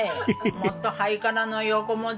もっとハイカラな横文字の。